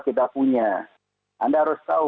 kita punya anda harus tahu